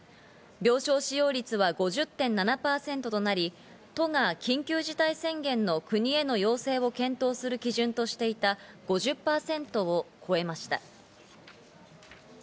病床使用率は５０．７％となり、都が緊急事態宣言の国への要請を検討する基準としていた５０％を超えました。